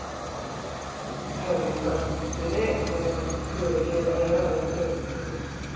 早く見つかってね、皆さん、供養できればいいなと思ってるんですけど。